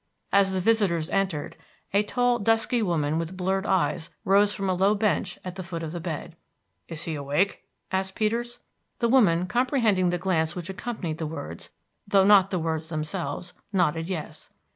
As the visitors entered, a tall dusky woman with blurred eyes rose from a low bench at the foot of the bed. "Is he awake?" asked Peters. The woman, comprehending the glance which accompanied the words, though not the words themselves, nodded yes.